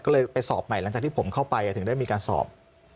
ก็เลยไปสอบใหม่หลังจากที่ผมเข้าไปถึงได้มีการสอบ